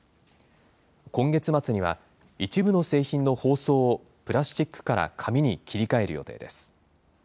今月末には一部の製品の包装を、プラスチックから紙に切り替える予定です。